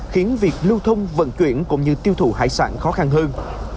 khiến việc lưu thông vận chuyển cũng như tiêu thụ hải sản khó khăn hơn